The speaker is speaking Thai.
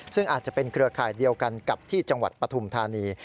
ซึ่งอาจจะเป็นเครือข่ายเดียวกันกับที่จังหวัดปฐุมธานี